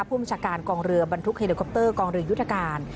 ผู้บัญชาการกองเรือบรรทุกเฮลิคอปเตอร์กองเรือยุทธการ